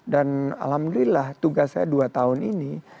dan alhamdulillah tugas saya dua tahun ini